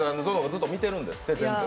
ずっと見てるんですって、全部。